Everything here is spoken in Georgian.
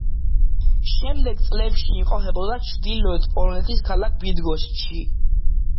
შემდეგ წლებში იმყოფებოდა ჩრდილოეთ პოლონეთის ქალაქ ბიდგოშჩში.